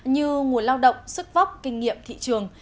như nguồn lao động sức vóc kinh nghiệm thị trường